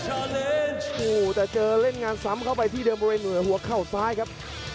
โอ้แต่เจอเล่นงานซ้ำเข้าไปที่เดิมลูกหัวข้าวซ้ายครับ